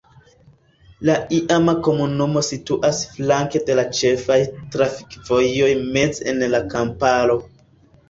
La iama komunumo situas flanke de la ĉefaj trafikvojoj meze en la kamparo.